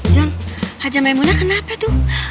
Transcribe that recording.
jun haji maimunah kenapa tuh